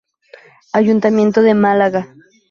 Ayuntamiento de Málaga.